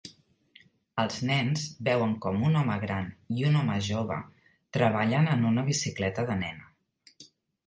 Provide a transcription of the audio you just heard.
Els nens veuen com un home gran i un home jove treballen en una bicicleta de nena.